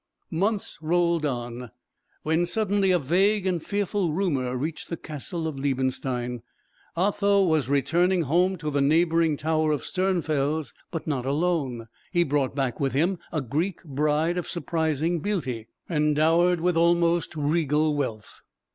Months rolled on, when suddenly a vague and fearful rumour reached the castle of Liebenstein. Otho was returning home to the neighbouring tower of Sternfels; but not alone. He brought back with him a Greek bride of surprising beauty, and dowered with almost regal wealth.